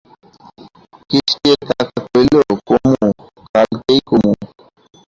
কেষ্টর কাকা কইল, কমু, কালকেই কমু।